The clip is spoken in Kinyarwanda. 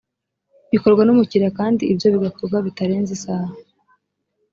bikorwa n’umukiriya kandi ibyo bigakorwa bitarenze isaha